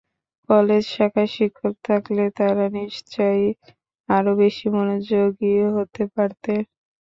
College শাখায় শিক্ষক থাকলে তাঁরা নিশ্চয়ই আরও বেশি মনোযোগী হতে পারতেন।